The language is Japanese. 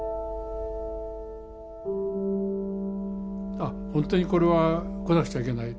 ああ本当にこれは来なくちゃいけない。